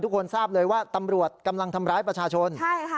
ทุกคนทราบเลยว่าตำรวจกำลังทำร้ายประชาชนใช่ค่ะ